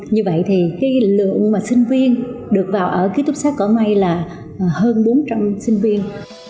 như vậy thì cái lượng mà sinh viên được vào ở ký túc xác cỏ mai là hơn bốn trăm linh sinh viên